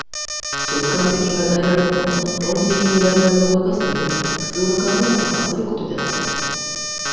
直観的に与えられたものが、論理的に我々を動かすというのは、普通の考えに反することであろう。